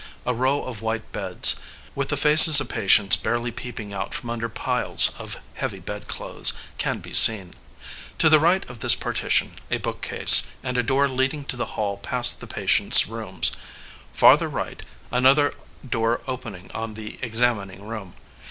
A row of white beds, with the faces of patients barely peeping out from under piles of heavy bed clothes, can be seen. To the right of this partition, a bookcase, and a door leading to the hall past the patients 1 rooms. Farther right, another door opening on the examining room.